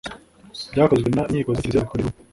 byakozwe n inkiko za kiliziya zikorera i roma